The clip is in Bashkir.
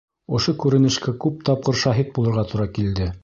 Ошо күренешкә күп тапҡыр шаһит булырға тура килде.